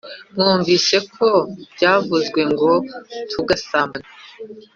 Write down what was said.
“Mwumvise ko byavuzwe ngo ‘Ntugasambane.’